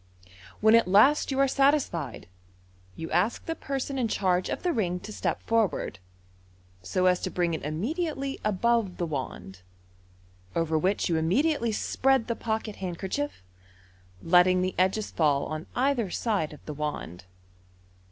When at last you are satisfied, you ask the person in charge of the ring to step forward, so as to bring it immediately above the wand, over which you immediately spread the pocket handkerchief, letting the edges fall on either side of the wand.